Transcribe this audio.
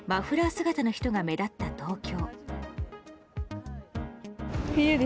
姿の人が目立った東京。